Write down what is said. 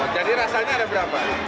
jadi rasanya ada berapa